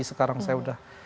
sekarang saya sudah